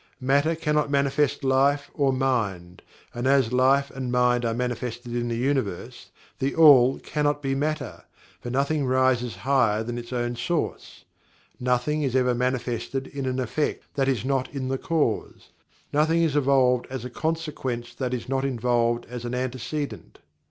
Matter cannot manifest Life or Mind, and as Life and Mind are manifested in the Universe, THE ALL cannot be Matter, for nothing rises higher than its own source nothing is ever manifested in an effect that is not in the cause nothing is evolved as a consequent that is not involved as an antecedent.